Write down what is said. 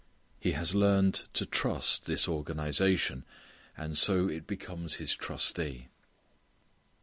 He has learned to trust this organization, and so it becomes his trustee.